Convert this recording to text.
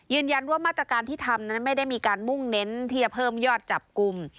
ยืนยันว่ามาตรการที่ทำนั้นไม่ได้มีการมุ่งเน้นที่จะเพิ่มยอดจับกลุ่ม